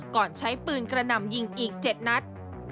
ก่อนใช้ปืนกระหน่ำยิงอีก๗นัด